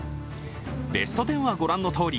ベスト１０は御覧のとおり。